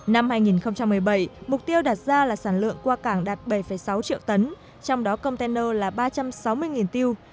năm hai nghìn một mươi bảy mục tiêu đạt ra là sản lượng qua cảng đạt bảy sáu triệu tấn trong đó container là ba trăm sáu mươi tiêu